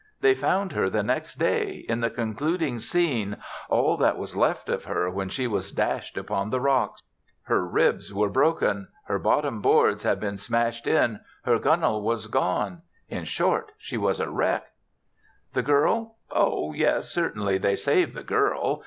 They found her the next day, in the concluding scene all that was left of her when she was dashed upon the rocks. Her ribs were broken. Her bottom boards had been smashed in, her gunwale was gone in short, she was a wreck. The girl? Oh, yes, certainly they saved the girl.